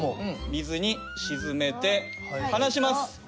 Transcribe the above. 水に沈めて離します。